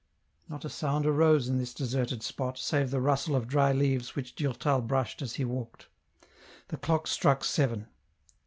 Not a sound arose in this deserted spot, save the rustle of dry leaves which Durtal brushed as he walked. The clock struck seven.